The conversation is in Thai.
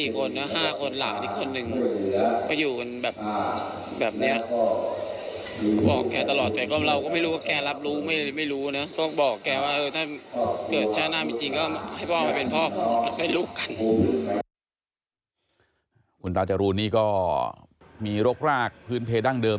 กุฏาจรูฯนี่ก็มีโรครากพื้นเพะดั้งเดิมคุณตาจรูฯนี่ก็มีโรครากพื้นเพะดั้งเดิม